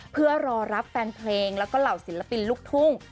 เพื่อรอรับแฟนเพลงแล้วก็เหล่าศิลปินลูกทุ่ง